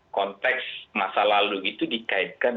konteks masa lalu itu dikaitkan